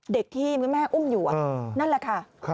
เด็กที่เมื่อแม่อุ้มอยู่นั่นแหละค่ะ